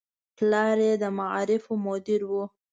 پلار یې د معارفو مدیر و.